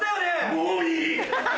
もういい！